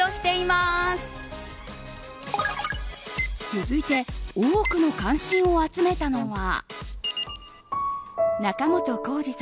続いて多くの関心を集めたのは。